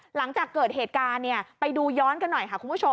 หลังจากเกิดเหตุการณ์ไปดูย้อนกันหน่อยค่ะคุณผู้ชม